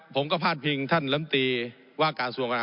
ผมอภิปรายเรื่องการขยายสมภาษณ์รถไฟฟ้าสายสีเขียวนะครับ